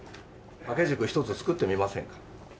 掛け軸１つ作ってみませんか？